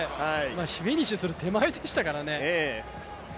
フィニッシュする手前でしたからね。